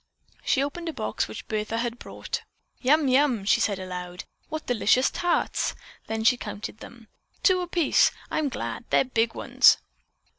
She opened a box which Bertha had brought. "Yum! Yum!" she said aloud. "What delicious tarts!" Then she counted them. "Two apiece! I'm glad they're big ones."